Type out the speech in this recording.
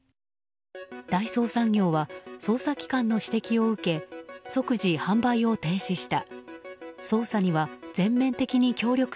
大創産業は捜査機関の指摘を受け即時販売を停止した。